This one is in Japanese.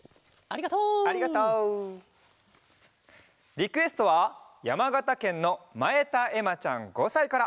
リクエストはやまがたけんのまえたえまちゃん５さいから。